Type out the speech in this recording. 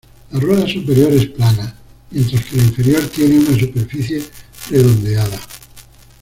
La rueda superior es plana, mientras que la inferior tiene una superficie redondeada.